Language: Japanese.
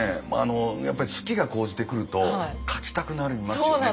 やっぱりね好きが高じてくると描きたくなりますよね。